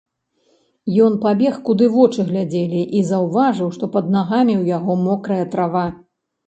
Ён пабег куды вочы глядзелі і заўважыў, што пад нагамі ў яго мокрая трава.